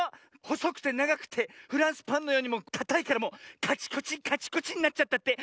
ほそくてながくてフランスパンのようにかたいからもうカチコチカチコチになっちゃったって。